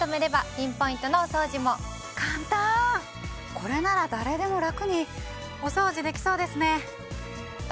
これなら誰でも楽にお掃除できそうですね。